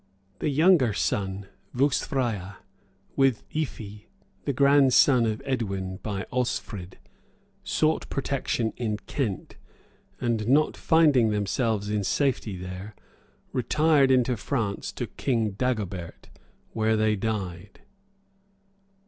The younger son, Vuscfraea, with Yffi, the grandson of Edwin, by Osfrid, sought protection in Kent, and not finding themselves in safety there, retired into France to King Dagobert, where they died.